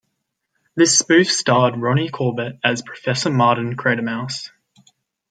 This spoof starred Ronnie Corbett as "Professor Martin Cratermouse".